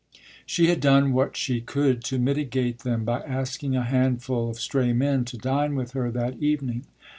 She had done what she could to mitigate them by asking a handful of "stray men" to dine with her that evening.